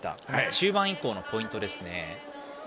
中盤以降のポイントですね。